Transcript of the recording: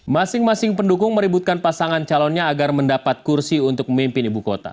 masing masing pendukung meributkan pasangan calonnya agar mendapat kursi untuk memimpin ibu kota